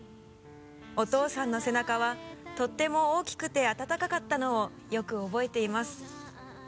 「お父さんの背中はとても大きくて温かかったのをよく覚えています」